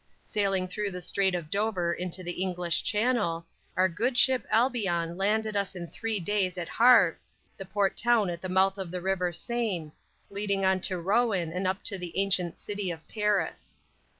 Sailing through the Strait of Dover into the English Channel, our good ship Albion landed us in three days at Havre, the port town at the mouth of the river Seine, leading on to Rouen and up to the ancient city of Paris.